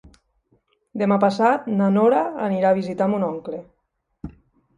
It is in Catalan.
Demà passat na Nora anirà a visitar mon oncle.